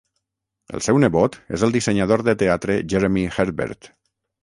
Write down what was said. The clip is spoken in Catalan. El seu nebot és el dissenyador de teatre Jeremy Herbert.